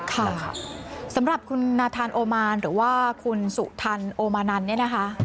ค่ะสำหรับคุณนาธารโอมานหรือว่าคุณสุธันโอมานันต์